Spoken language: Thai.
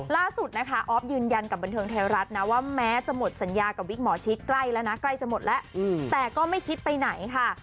ล่าสุดนะคะออฟยืนยันกับบันเทิงไทยรัฐนะว่าแม้จะหมดสัญญากับวิกหมอชิดใกล้แล้วนะใกล้จะหมดแล้วแต่ก็ไม่คิดไปไหนค่ะ